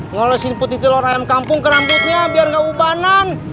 ngolesin putih telur ayam kampung ke rambutnya biar gak ubanan